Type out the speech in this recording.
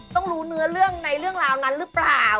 ต้องรู้เนื้อเรื่องในเรื่องราวนั้นหรือเปล่า